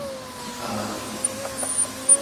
Amati